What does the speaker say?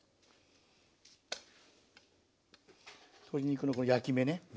鶏肉のこの焼き目ね。